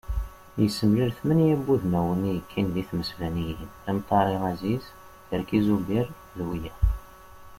Yessemlal tmanya n wudmawen i yekkin di tmesbaniyin am Tari Aziz, Terki Zubir d wiyaḍ.